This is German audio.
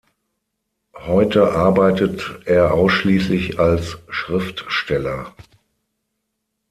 Heute arbeitet er ausschließlich als Schriftsteller.